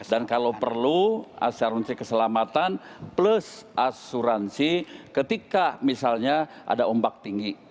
dan kalau perlu asuransi keselamatan plus asuransi ketika misalnya ada ombak tinggi